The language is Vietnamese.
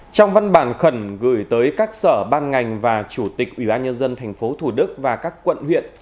trong văn bản khẩn gửi tới các sở bang ngành và chủ tịch ủy ban nhân dân thành phố thủ đức và các quận huyện